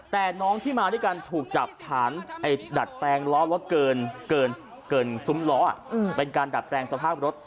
แต่น้องที่มาด้วยกันถูกจับฐานดัดแปลงล้อรถเกินซุ้มล้อเป็นการดัดแปลงสภาพรถ